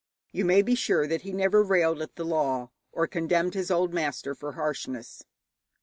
You may be sure that he never railed at the law, or condemned his old master for harshness.